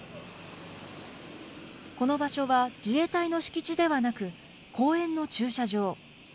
この場所は自衛隊の敷地ではなく、公園の駐車場。